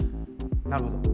・なるほど。